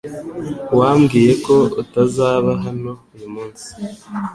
Wambwiye ko utazaba hano uyu munsi .